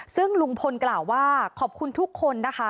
ซึ่งลุงพลกล่าวว่าขอบคุณทุกคนนะคะ